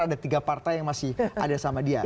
ada tiga partai yang masih ada sama dia